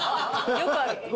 よくある？